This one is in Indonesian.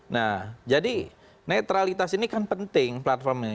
nah jadi netralitas ini kan penting platformnya